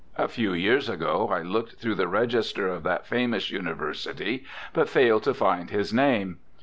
A few years ago I looked through the register of that famous University, but failed to find his name.